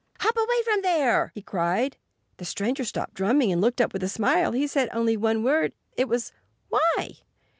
"Hop away from there!" he cried. The stranger stopped drumming and looked up with a smile. He said only one word. It was "Why?"